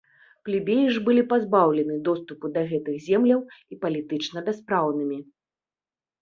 Плебеі ж былі пазбаўлены доступу да гэтых земляў і палітычна бяспраўнымі.